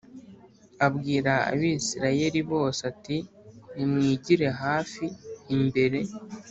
abwira Abisirayeli bose ati Nimwigire hafi imbere